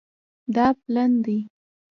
دا پلن دی